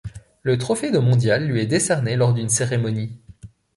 Le trophée de mondial lui est décerné lors d'une cérémonie.